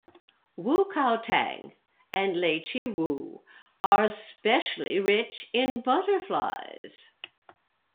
Wu Kau Tang and Lai Chi Wo are especially rich in butterflies.